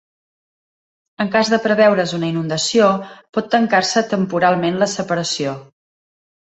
En cas de preveure's una inundació, pot tancar-se temporalment la separació.